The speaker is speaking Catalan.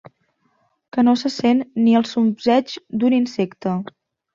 Que no se sent ni el zumzeig d'un insecte.